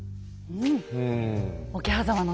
うん。